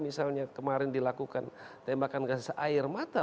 misalnya kemarin dilakukan tembakan gas air mata